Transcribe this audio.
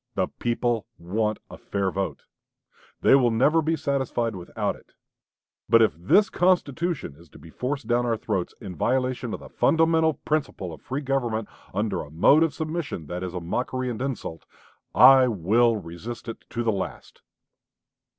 The people want a fair vote. They will never be satisfied without it.... But if this constitution is to be forced down our throats in violation of the fundamental principle of free government, under a mode of submission that is a mockery and insult, I will resist it to the last."